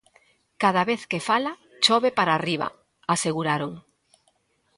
"Cada vez que fala chove para arriba", aseguraron.